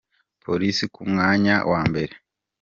Polisi ku mwanya wa mbere